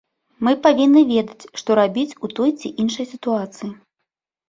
Мы павінны ведаць, што рабіць у той ці іншай сітуацыі.